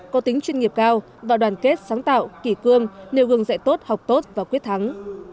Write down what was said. có tính chuyên nghiệp cao và đoàn kết sáng tạo kỷ cương nêu gương dạy tốt học tốt và quyết thắng